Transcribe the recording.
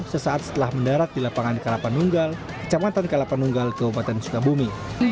sesaat setelah mendarat di lapangan kalapanunggal kecamatan kalapanunggal keupatan sukabumi